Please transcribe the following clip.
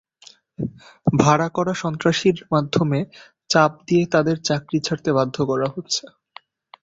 ভাড়া করা সন্ত্রাসীর মাধ্যমে চাপ দিয়ে তাঁদের চাকরি ছাড়তে বাধ্য করা হচ্ছে।